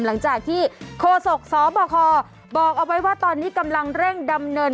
หลังจากที่โฆษกสบคบอกเอาไว้ว่าตอนนี้กำลังเร่งดำเนิน